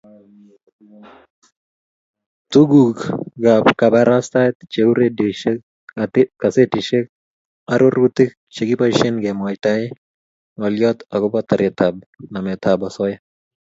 Tugukab kabarastaet cheu redioisiek, gazetisiek, arorutik keboisie kemwaita ngolyot agobo taretab nametab osoya